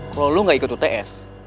kalau lo gak ikut uts